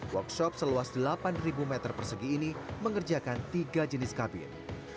workshop seluas delapan meter persegi ini mengerjakan tiga jenis kabin